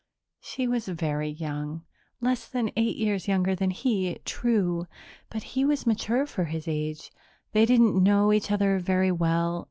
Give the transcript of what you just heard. She was very young less than eight years younger than he, true, but he was mature for his age. They didn't know each other very well.